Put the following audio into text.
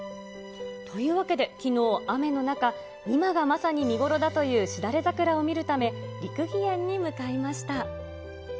というわけで、きのう、雨の中、今がまさに見頃だというしだれ桜を見るため、六義園に向かいました。